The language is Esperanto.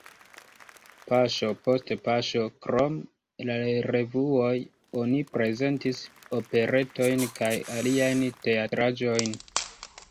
Paŝo post paŝo krom la revuoj oni prezentis operetojn kaj aliajn teatraĵojn.